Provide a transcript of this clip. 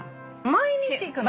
毎日行くの？